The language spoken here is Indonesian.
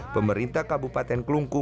pemerintah kabupaten kulungan